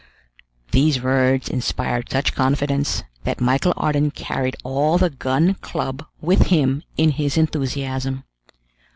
These words inspired such confidence, that Michel Ardan carried all the Gun Club with him in his enthusiasm.